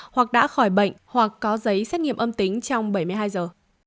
hoặc đã khỏi bệnh hoặc có giấy xét nghiệm âm tính trong bảy mươi hai giờ